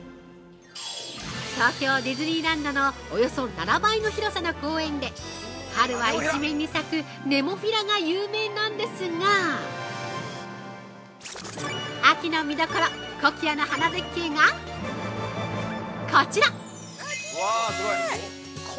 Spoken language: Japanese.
東京ディズニーランドのおよそ７倍の広さの公園で春は一面に咲くネモフィラが有名なんですが秋の見どころ、コキアの花絶景がこちら！